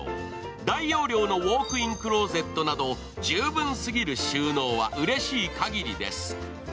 大容量のウォークインクローゼットなど十分すぎる収納はうれしいかぎりです。